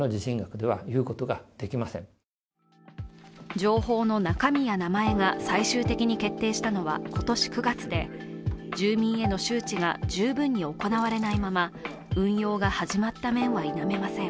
情報の中身や名前が最終的に決定したのは今年９月で、住民への周知が十分に行われないまま運用が始まった面は否めません。